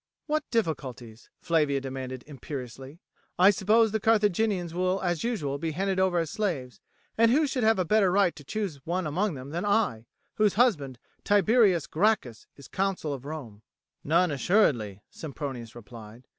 "What difficulties?" Flavia demanded imperiously. "I suppose the Carthaginians will as usual be handed over as slaves; and who should have a better right to choose one among them than I, whose husband, Tiberius Gracchus, is Consul of Rome?" "None assuredly," Sempronius replied.